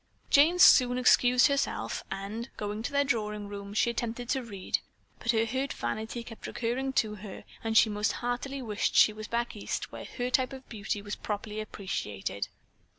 Jane soon excused herself, and going to their drawing room, she attempted to read, but her hurt vanity kept recurring to her and she most heartily wished she was back East, where her type of beauty was properly appreciated.